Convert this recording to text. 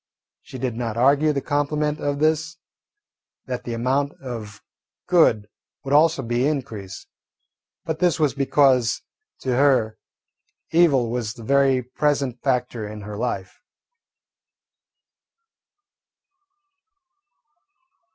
She did not argue the complement of this, that the amount of good would also be increased, but this was because to her evil was the very present factor in her life.